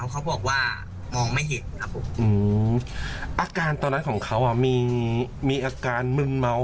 เขาบอกว่ามองไม่เห็นครับผมอาการตอนนั้นของเขามีอาการมึนเมา